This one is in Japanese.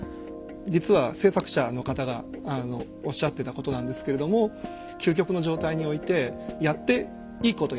実は制作者の方がおっしゃってたことなんですけれども究極の状態においてやっていいことやってよくないことそれはもちろんある。